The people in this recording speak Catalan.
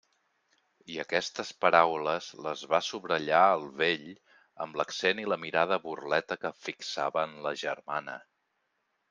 I aquestes paraules les va subratllar el vell amb l'accent i la mirada burleta que fixava en la germana.